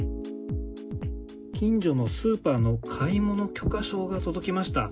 近所のスーパーの買い物許可証が届きました。